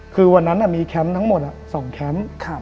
คือวันนั้นมีแคมป์ทั้งหมด๒แคมป์